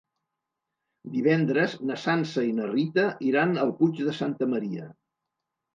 Divendres na Sança i na Rita iran al Puig de Santa Maria.